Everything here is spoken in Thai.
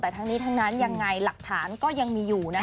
แต่ทั้งนี้ทั้งนั้นยังไงหลักฐานก็ยังมีอยู่นะ